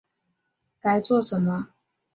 该做什么